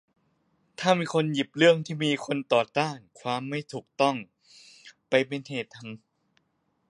ถ้ามีคนหยิบเรื่องที่มีคนต่อต้านความไม่ถูกต้องไปเป็นเหตุทำ